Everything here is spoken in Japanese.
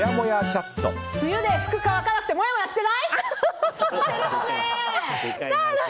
梅雨で服乾かなくてもやもやしてない？